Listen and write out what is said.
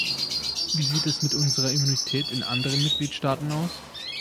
Wie sieht es mit unserer Immunität in anderen Mitgliedstaaten aus?